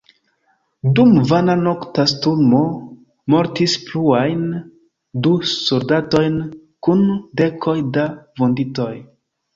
Dum vana nokta sturmo mortis pluajn du soldatojn kun dekoj da vunditoj.